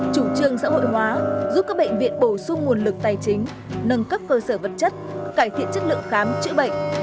chủ trương xã hội hóa giúp các bệnh viện bổ sung nguồn lực tài chính nâng cấp cơ sở vật chất cải thiện chất lượng khám chữa bệnh